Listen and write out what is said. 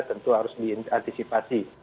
tentu harus diantisipasi